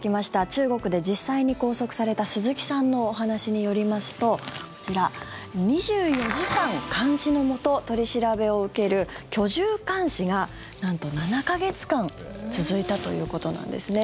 中国で実際に拘束された鈴木さんのお話によりますとこちら、２４時間監視のもと取り調べを受ける居住監視がなんと７か月間続いたということなんですね。